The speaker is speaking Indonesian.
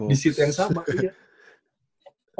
di seat yang sama